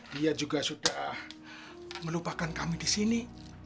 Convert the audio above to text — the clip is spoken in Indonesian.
dia juga sudah melupakan kami di sini